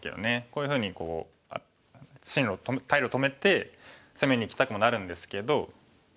こういうふうに退路を止めて攻めにいきたくもなるんですけど。